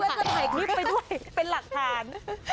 แล้วจะถ่ายคลิปไปด้วยเป็นหลักฐาน